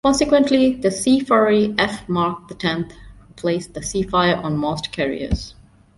Consequently, the Sea Fury F Mark the Tenth replaced the Seafire on most carriers.